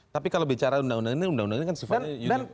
tapi kalau bicara undang undang ini undang undang ini kan sifatnya unik